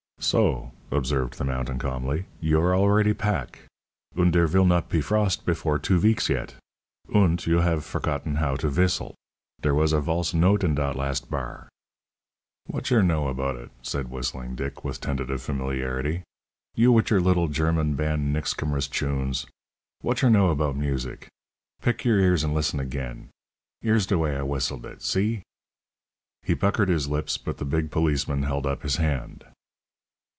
"So," observed the mountain calmly, "You are already pack. Und dere vill not pe frost before two veeks yet! Und you haf forgotten how to vistle. Dere was a valse note in dot last bar." "Watcher know about it?" said Whistling Dick, with tentative familiarity; "you wit yer little Gherman band nixcumrous chunes. Watcher know about music? Pick yer ears, and listen agin. Here's de way I whistled it see?" He puckered his lips, but the big policeman held up his hand.